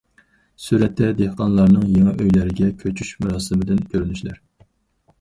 سۈرەتتە: دېھقانلارنىڭ يېڭى ئۆيلەرگە كۆچۈش مۇراسىمىدىن كۆرۈنۈشلەر.